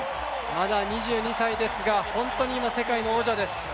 まだ２２歳ですが本当に今、世界の王者です。